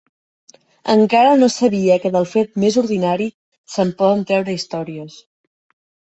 Encara no sabia que del fet més ordinari, se'n poden treure històries